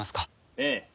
ええ。